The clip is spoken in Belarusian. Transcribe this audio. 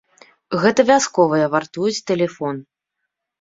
Гэта вясковыя вартуюць тэлефон.